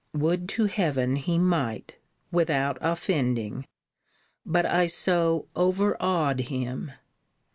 Would to Heaven he might, without offending! But I so over awed him!